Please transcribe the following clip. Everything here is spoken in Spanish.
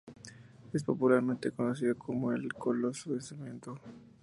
Es popularmente conocido como "El Coloso de Cemento".